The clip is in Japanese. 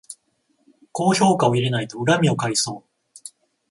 高評価を入れないと恨みを買いそう